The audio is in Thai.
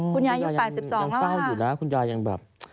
คุณยายยัง๘๒แล้วค่ะยังเฝ้าอยู่แล้วคุณยายยังแบบ